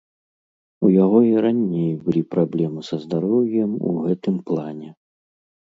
У яго і раней былі праблемы са здароўем у гэтым плане.